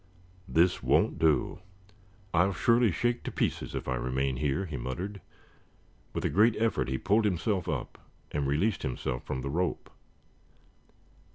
"This won't do. I'll surely shake to pieces if I remain here," he muttered. With a great effort he pulled himself up and released himself from the rope.